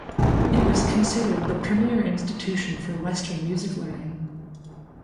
It was considered the premiere institution for western music learning.